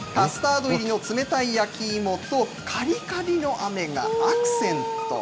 カスタード入りの冷たい焼き芋と、かりかりのあめがアクセント。